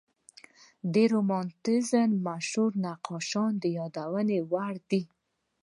د رومانتیزم مشهور نقاشان د یادولو وړ دي.